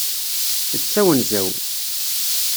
D tawenza-w.